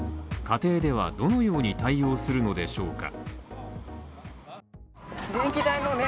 家庭ではどのように対応するのでしょうか。